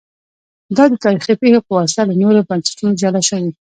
دا د تاریخي پېښو په واسطه له نورو بنسټونو جلا شوي